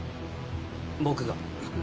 僕が。